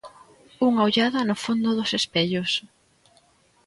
Unha ollada no fondo dos espellos.